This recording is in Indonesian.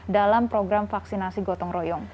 dalam program vaksinasi gotong royong